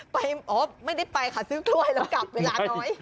ไม่ได้ไปค่ะซื้อกล้วยแล้วกลับเวลาน้อย